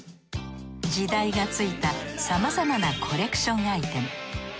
時代がついたさまざまなコレクションアイテム。